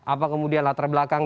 apa kemudian latar belakang